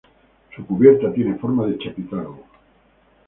Su cubierta tiene forma de chapitel.